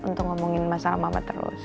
untuk ngomongin masalah mama terus